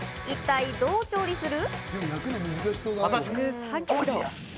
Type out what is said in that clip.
一体どう調理する？